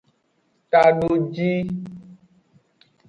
Tadojii.